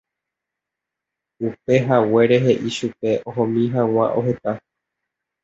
upehaguére he'i chupe ohomi hag̃ua oheka.